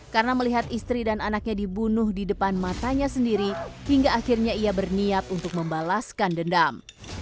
karena melihat istri dan anaknya dibunuh di depan matanya sendiri hingga akhirnya ia berniat untuk membalaskan dendam